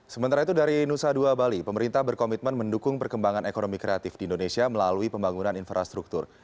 sementara itu dari nusa dua bali pemerintah berkomitmen mendukung perkembangan ekonomi kreatif di indonesia melalui pembangunan infrastruktur